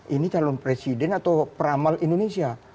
ini calon presiden atau peramal indonesia